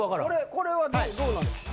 これはどうなんですか？